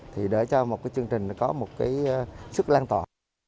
thì để cho một chương trình có một sức lan tỏa